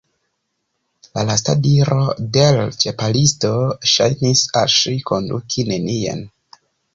La lasta diro de l' Ĉapelisto ŝajnis al ŝi konduki nenien.